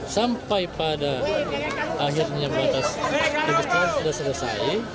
sampai pada akhirnya batas kebesaran sudah selesai